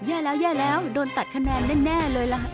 อ้าวแย่แล้วโดนตัดคะแนนแน่เลยล่ะ